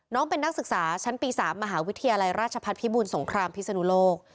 น้องเป็นนักศึกษาชั้นปี๓มหาวิทยาลัยราชพัฒนภิบูรสงครามพิศนุโลก